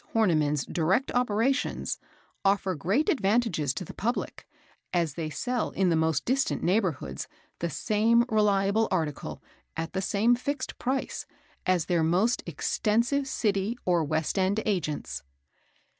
Horniman's direct operations, offer great advantages to the public, as they sell in the most distant neighbourhoods the same reliable article, at the same fixed price, as their most extensive City or West end Agents.